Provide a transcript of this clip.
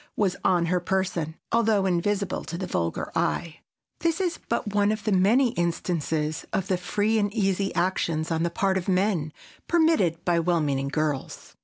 was on her person, although invisible to the vulgar eye. This is but one of the many instances of the free and easy actions on the part of men, permitted by well meaning girls.